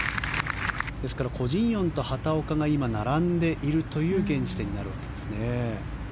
ですからコ・ジンヨンと畑岡が並んでいるという現時点になるわけですね。